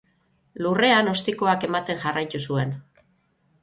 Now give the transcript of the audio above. Lurrean ostikoak ematen jarraitu zuen.